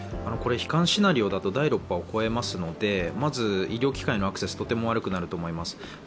悲観シナリオだと第６波を超えますので、まず医療機関へのアクセスはとても悪くなると思います。